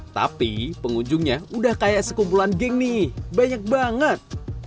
tapi pengunjungnya udah kayak sekumpulan geng nih banyak banget